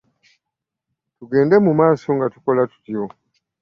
Tugende mu maaso nga tukola tutyo.